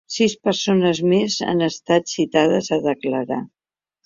Sis persones més han estat citades a declarar.